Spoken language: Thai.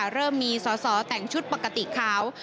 เริ่มมีสอสอแต่งชุดปกติขาว